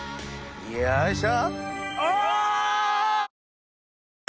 よいしょ！